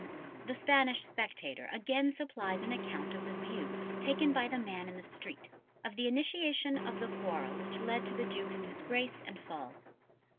The Spanish spectator again supplies an account of the view taken by the man in the street of the initiation of the quarrel which led to the Duke's disgrace and fall.